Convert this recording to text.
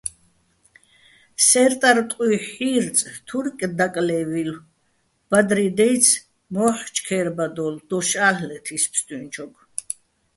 სე́რტარ ტყუჲჰ̦ი̆ ჰ̦ი́რწი̆, თურიკ დაკლე́ვილო̆, ბადრი დაჲცი̆, მო́ჰ̦კ ჩქე́რბადოლო̆, დოშ ა́ლ'ლეთ ის ფსტუჲნჩოგო̆.